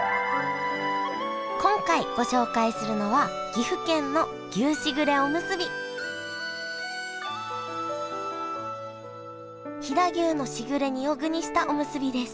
今回ご紹介するのは飛騨牛のしぐれ煮を具にしたおむすびです。